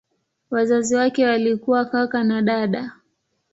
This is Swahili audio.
Wazazi wake walikuwa kaka na dada.